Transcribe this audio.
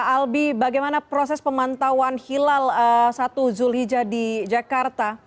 albi bagaimana proses pemantauan hilal satu zulhijjah di jakarta